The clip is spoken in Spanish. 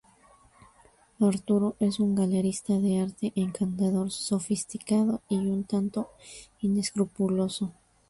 Arturo es un galerista de arte encantador, sofisticado y un tanto inescrupuloso.